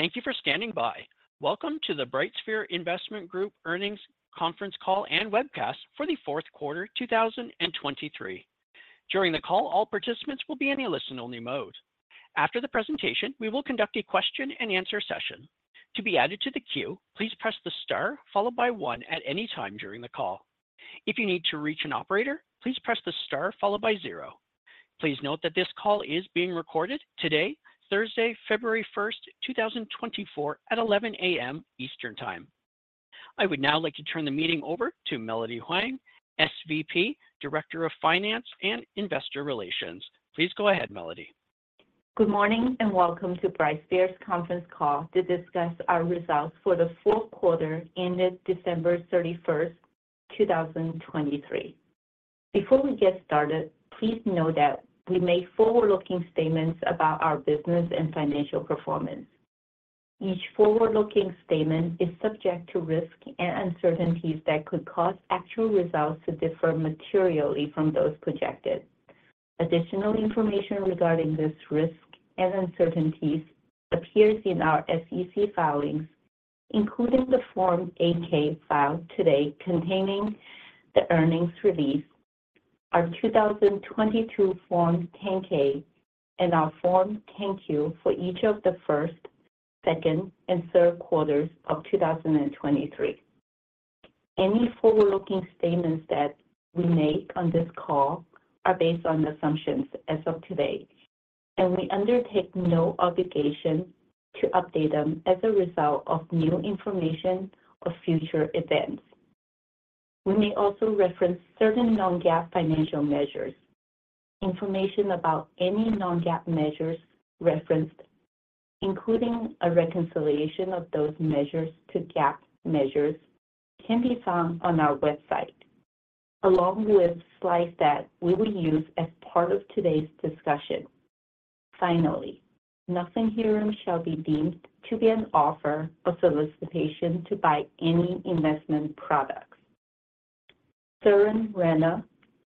Thank you for standing by. Welcome to the BrightSphere Investment Group earnings conference call and webcast for the fourth quarter, 2023. During the call, all participants will be in a listen-only mode. After the presentation, we will conduct a question-and-answer session. To be added to the queue, please press the star followed by one at any time during the call. If you need to reach an operator, please press the star followed by zero. Please note that this call is being recorded today, Thursday, February 1, 2024, at 11:00 A.M. Eastern Time. I would now like to turn the meeting over to Melody Huang, SVP, Director of Finance and Investor Relations. Please go ahead, Melody. Good morning, and welcome to BrightSphere's conference call to discuss our results for the fourth quarter ended December 31, 2023. Before we get started, please note that we made forward-looking statements about our business and financial performance. Each forward-looking statement is subject to risks and uncertainties that could cause actual results to differ materially from those projected. Additional information regarding this risk and uncertainties appears in our SEC filings, including the Form 8-K filed today containing the earnings release, our 2022 Form 10-K, and our Form 10-Q for each of the first, second, and third quarters of 2023. Any forward-looking statements that we make on this call are based on assumptions as of today, and we undertake no obligation to update them as a result of new information or future events. We may also reference certain non-GAAP financial measures. Information about any non-GAAP measures referenced, including a reconciliation of those measures to GAAP measures, can be found on our website, along with slides that we will use as part of today's discussion. Finally, nothing herein shall be deemed to be an offer or solicitation to buy any investment products. Suren Rana,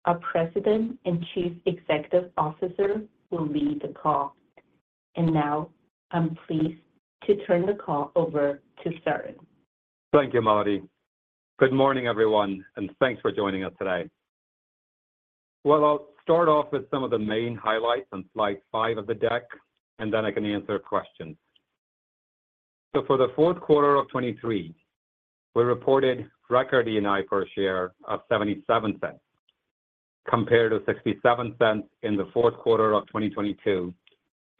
our President and Chief Executive Officer, will lead the call. Now, I'm pleased to turn the call over to Suren. Thank you, Melody. Good morning, everyone, and thanks for joining us today. Well, I'll start off with some of the main highlights on slide 5 of the deck, and then I can answer questions. So for the fourth quarter of 2023, we reported record ENI per share of $0.77, compared to $0.67 in the fourth quarter of 2022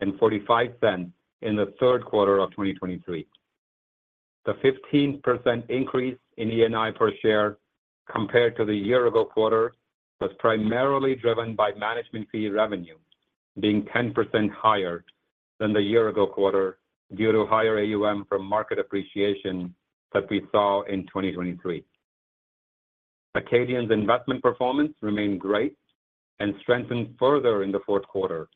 and $0.45 in the third quarter of 2023. The 15% increase in ENI per share compared to the year-ago quarter was primarily driven by management fee revenue being 10% higher than the year-ago quarter due to higher AUM from market appreciation that we saw in 2023. Acadian's investment performance remained great and strengthened further in the fourth quarter.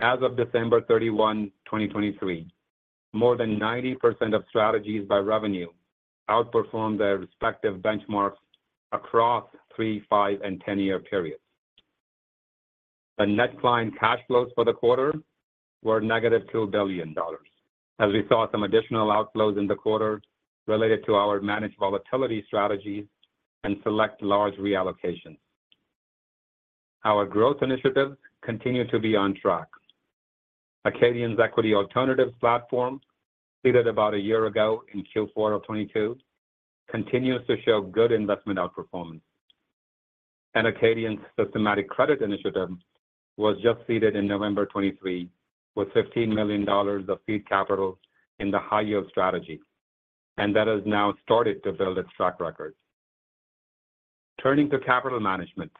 As of December 31, 2023, more than 90% of strategies by revenue outperformed their respective benchmarks across 3-, 5-, and 10-year periods. The net client cash flows for the quarter were negative $2 billion, as we saw some additional outflows in the quarter related to our Managed Volatility strategies and select large reallocations. Our growth initiatives continue to be on track. Acadian's Equity Alternatives platform, seeded about a year ago in Q4 of 2022, continues to show good investment outperformance. And Acadian's Systematic Credit initiative was just seeded in November 2023, with $15 million of seed capital in the high-yield strategy, and that has now started to build its track record. Turning to capital management.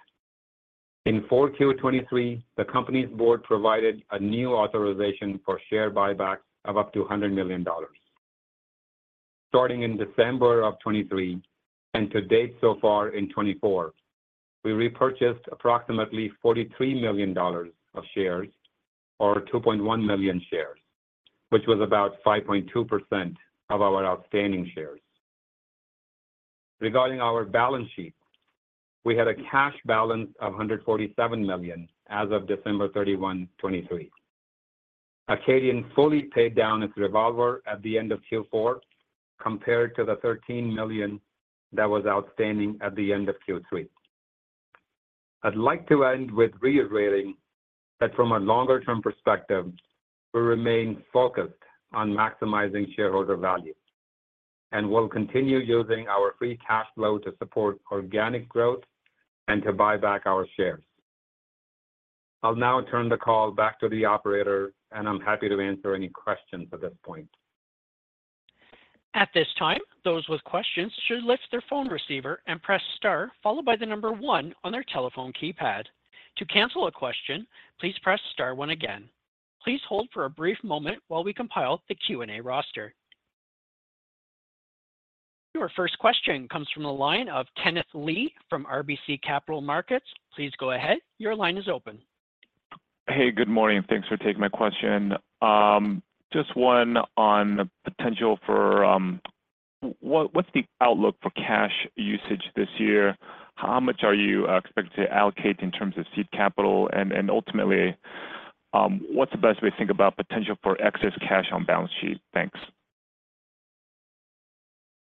In 4Q 2023, the company's board provided a new authorization for share buybacks of up to $100 million. Starting in December of 2023, and to date so far in 2024, we repurchased approximately $43 million of shares, or 2.1 million shares, which was about 5.2% of our outstanding shares. Regarding our balance sheet, we had a cash balance of $147 million as of December 31, 2023. Acadian fully paid down its revolver at the end of Q4, compared to the $13 million that was outstanding at the end of Q3. I'd like to end with reiterating that from a longer-term perspective, we remain focused on maximizing shareholder value, and we'll continue using our free cash flow to support organic growth and to buy back our shares. I'll now turn the call back to the operator, and I'm happy to answer any questions at this point. At this time, those with questions should lift their phone receiver and press star followed by the number one on their telephone keypad. To cancel a question, please press star one again. Please hold for a brief moment while we compile the Q&A roster. Your first question comes from the line of Kenneth Lee from RBC Capital Markets. Please go ahead. Your line is open. Hey, good morning. Thanks for taking my question. Just one on the potential for, what's the outlook for cash usage this year? How much are you expected to allocate in terms of seed capital? And ultimately, what's the best way to think about potential for excess cash on balance sheet? Thanks.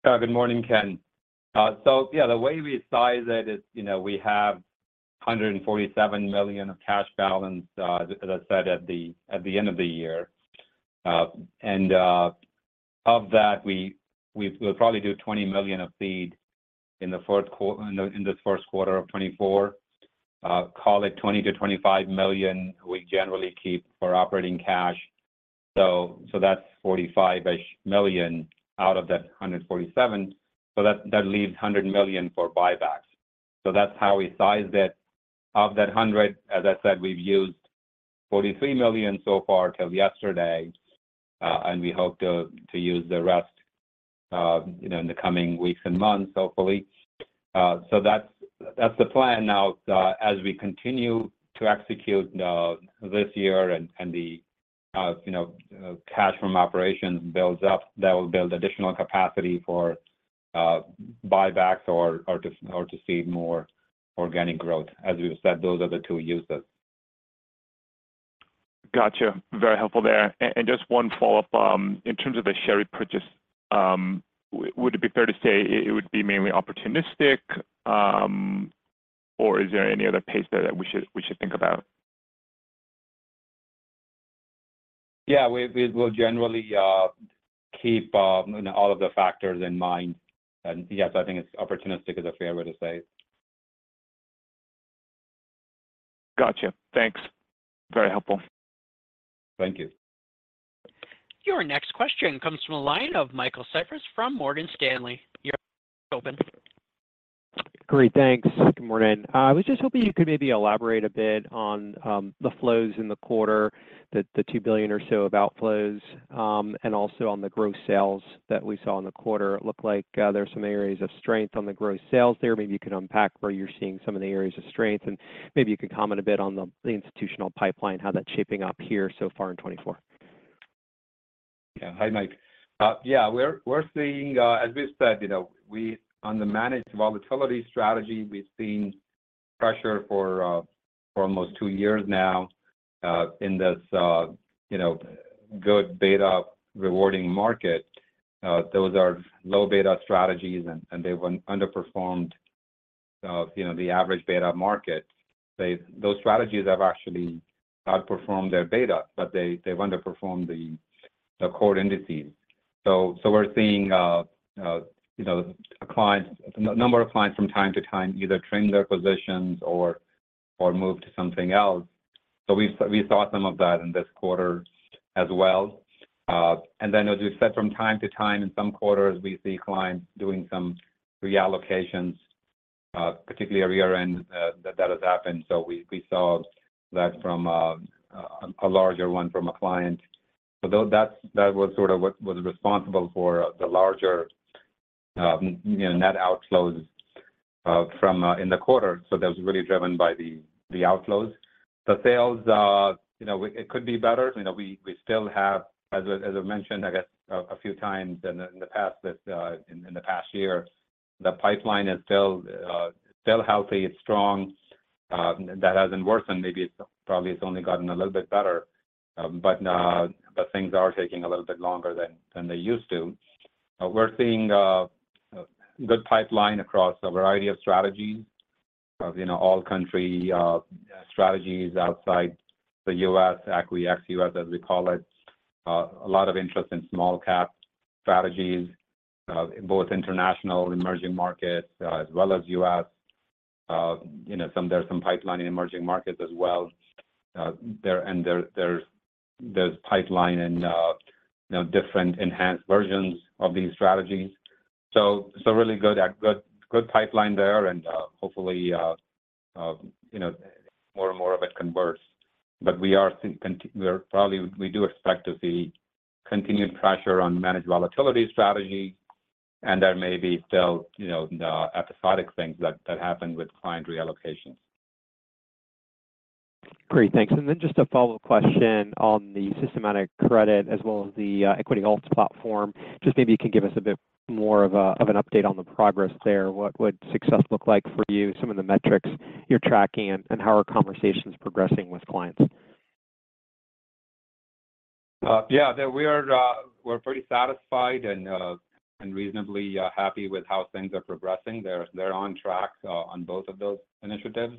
Good morning, Ken. So yeah, the way we size it is, you know, we have $147 million of cash balance, as I said, at the end of the year. And, of that, we will probably do $20 million of seed in this first quarter of 2024. Call it $20 million-$25 million, we generally keep for operating cash. So that's $45-ish million out of that $147 million. So that leaves $100 million for buybacks. So that's how we sized it. Of that $100 million, as I said, we've used $43 million so far till yesterday, and we hope to use the rest, you know, in the coming weeks and months, hopefully. So that's, that's the plan now, as we continue to execute this year and, and the, you know, cash from operations builds up, that will build additional capacity for buybacks or, or to, or to see more organic growth. As we've said, those are the two uses. Gotcha. Very helpful there. And just one follow-up, in terms of the share repurchase, would it be fair to say it would be mainly opportunistic, or is there any other piece there that we should think about? Yeah, we will generally keep all of the factors in mind. And yes, I think it's opportunistic is a fair way to say it. Gotcha. Thanks. Very helpful. Thank you. Your next question comes from the line of Michael Cyprys from Morgan Stanley. Your line is open. Great, thanks. Good morning. I was just hoping you could maybe elaborate a bit on the flows in the quarter, the two billion or so of outflows, and also on the gross sales that we saw in the quarter. It looked like there are some areas of strength on the gross sales there. Maybe you can unpack where you're seeing some of the areas of strength, and maybe you can comment a bit on the institutional pipeline, how that's shaping up here so far in 2024. Yeah. Hi, Mike. Yeah, we're, we're seeing, as we've said, you know, on the Managed Volatility strategy, we've seen pressure for, for almost two years now, in this, you know, good beta rewarding market. Those are low beta strategies, and, and they've underperformed, you know, the average beta market. Those strategies have actually outperformed their beta, but they, they've underperformed the, the core indices. So, so we're seeing, you know, clients, number of clients from time to time, either trim their positions or, or move to something else. So we've, we saw some of that in this quarter as well. And then, as we said, from time to time, in some quarters, we see clients doing some reallocations, particularly every year, and, that, that has happened. So we saw that from a larger one from a client. So though that's, that was sort of what was responsible for the larger, you know, net outflows, from in the quarter. So that was really driven by the outflows. The sales, you know, it could be better. You know, we still have, as I mentioned, I guess, a few times in the past, that in the past year, the pipeline is still healthy, it's strong. That hasn't worsened. Maybe it's probably, it's only gotten a little bit better, but things are taking a little bit longer than they used to. We're seeing a good pipeline across a variety of strategies of, you know, All Country strategies outside the U.S., ex-U.S., as we call it. A lot of interest in small-cap strategies, both international and emerging markets, as well as U.S. You know, there's some pipeline in emerging markets as well. There's pipeline and, you know, different enhanced versions of these strategies. So really good, good pipeline there, and, hopefully, you know, more and more of it converts. But we do expect to see continued pressure on Managed Volatility strategy, and there may be still, you know, episodic things that happen with client reallocations. Great, thanks. And then just a follow-up question on the Systematic Credit as well as the Equity Alts platform. Just maybe you can give us a bit more of an update on the progress there. What would success look like for you, some of the metrics you're tracking, and how are conversations progressing with clients? Yeah, we are, we're pretty satisfied and reasonably happy with how things are progressing. They're on track on both of those initiatives.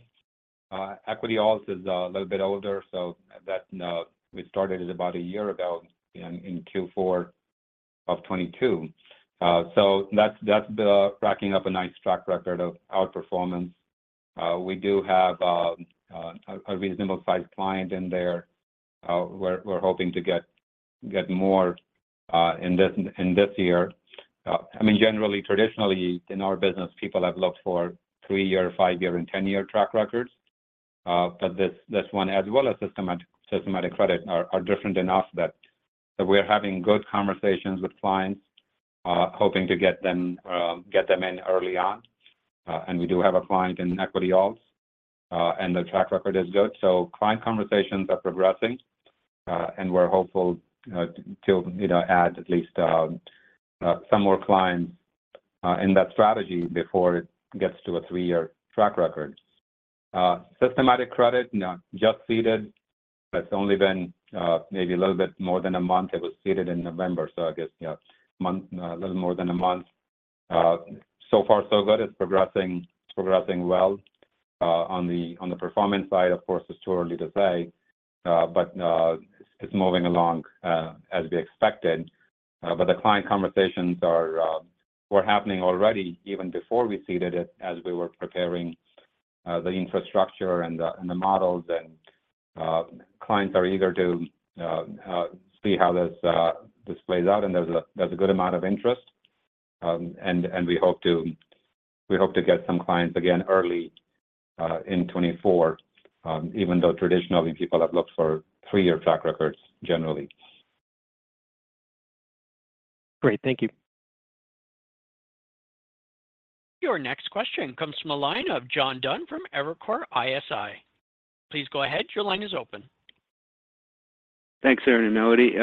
Equity Alts is a little bit older, so that we started it about a year ago in Q4 of 2022. So that's been racking up a nice track record of outperformance. We do have a reasonable-sized client in there. We're hoping to get more in this year. I mean, generally, traditionally, in our business, people have looked for three-year, five-year, and ten-year track records. But this one, as well as systematic credit, are different enough that we're having good conversations with clients, hoping to get them in early on. And we do have a client in Equity Alts, and the track record is good. So client conversations are progressing, and we're hopeful to, you know, add at least some more clients in that strategy before it gets to a three-year track record. Systematic Credit, now just seeded. That's only been maybe a little bit more than a month. It was seeded in November, so I guess, yeah, a little more than a month. So far, so good. It's progressing well. On the performance side, of course, it's too early to say, but it's moving along as we expected. But the client conversations were happening already, even before we seeded it, as we were preparing the infrastructure and the models. Clients are eager to see how this plays out, and there's a good amount of interest. And we hope to get some clients again early in 2024, even though traditionally people have looked for three-year track records generally. Great. Thank you. Your next question comes from the line of John Dunn from Evercore ISI. Please go ahead. Your line is open. Thanks, Suren and Melody.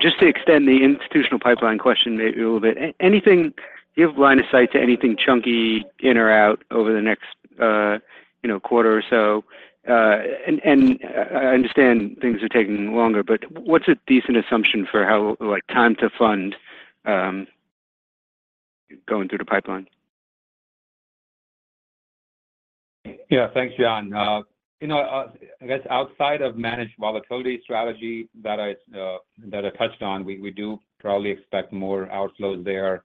Just to extend the institutional pipeline question maybe a little bit. Anything, do you have line of sight to anything chunky in or out over the next, you know, quarter or so? And I understand things are taking longer, but what's a decent assumption for how, like, time to fund going through the pipeline? Yeah. Thanks, John. You know, I guess outside of Managed Volatility strategy that I touched on, we do probably expect more outflows there.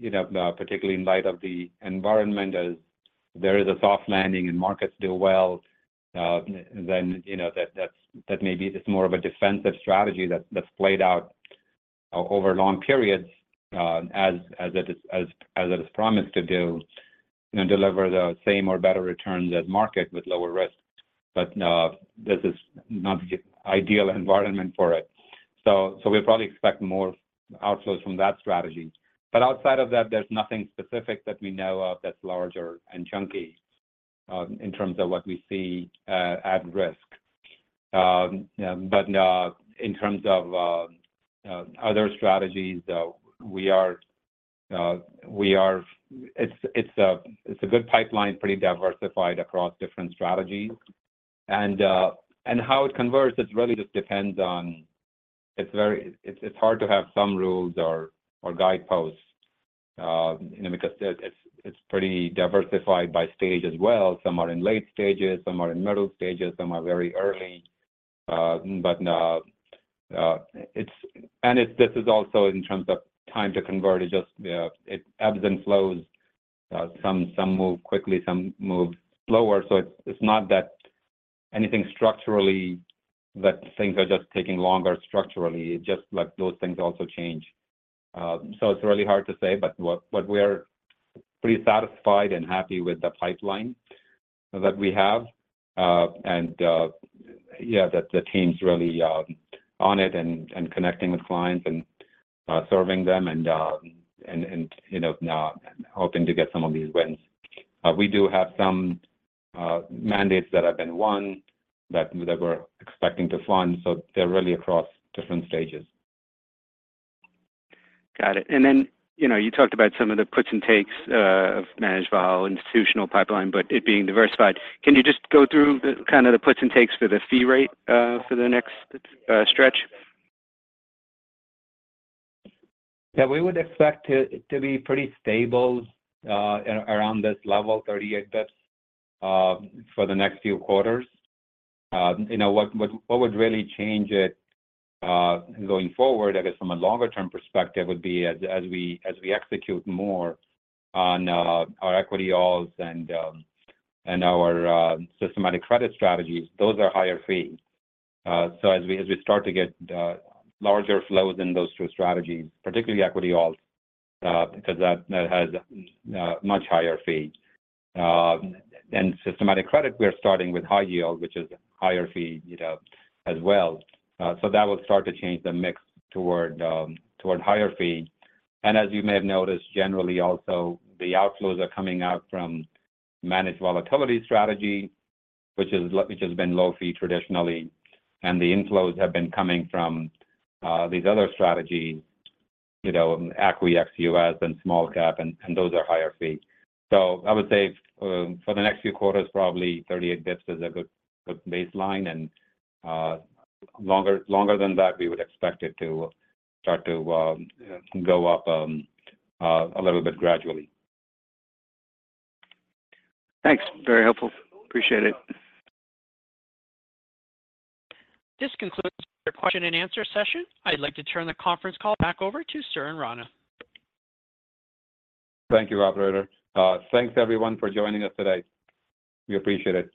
You know, particularly in light of the environment, as there is a soft landing and markets do well, then, you know, that may be just more of a defensive strategy that's played out over long periods, as it is promised to do, you know, deliver the same or better returns as market with lower risk. But this is not the ideal environment for it. So we probably expect more outflows from that strategy. But outside of that, there's nothing specific that we know of that's larger and chunky, in terms of what we see at risk. But, in terms of other strategies, it's a good pipeline, pretty diversified across different strategies. And how it converts, it really just depends on. It's very hard to have some rules or guideposts, you know, because it's pretty diversified by stage as well. Some are in late stages, some are in middle stages, some are very early. But it's also in terms of time to convert, it just ebbs and flows. Some move quickly, some move slower. So it's not that anything structurally that things are just taking longer structurally, it's just, like, those things also change. So it's really hard to say, but, but we're pretty satisfied and happy with the pipeline that we have. Yeah, the team's really on it and connecting with clients and serving them, and you know, hoping to get some of these wins. We do have some mandates that have been won, that we're expecting to fund, so they're really across different stages. Got it. And then, you know, you talked about some of the puts and takes of Managed Vol institutional pipeline, but it being diversified. Can you just go through the, kind of the puts and takes for the fee rate, for the next stretch? Yeah. We would expect it to be pretty stable, around this level, 38 basis points, for the next few quarters. You know, what would really change it, going forward, I guess from a longer term perspective, would be as we execute more on our Equity Alts and our Systematic Credit strategies, those are higher fees. So as we start to get larger flows in those two strategies, particularly Equity Alts, because that has much higher fees. And Systematic Credit, we are starting with high-yield, which is higher fee, you know, as well. So that will start to change the mix toward higher fee. As you may have noticed, generally also, the outflows are coming out from Managed Volatility strategies, which has been low-fee traditionally, and the inflows have been coming from these other strategies, you know, equity, ex-U.S., and small-cap, and those are higher-fee. So I would say, for the next few quarters, probably 38 basis points is a good baseline, and longer than that, we would expect it to start to go up a little bit gradually. Thanks. Very helpful. Appreciate it. This concludes your question and answer session. I'd like to turn the conference call back over to Suren Rana. Thank you, operator. Thanks, everyone, for joining us today. We appreciate it.